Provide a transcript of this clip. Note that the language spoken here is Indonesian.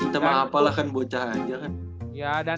kita mah apalah kan bocah aja kan